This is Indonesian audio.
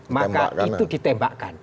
maka itu ditembakkan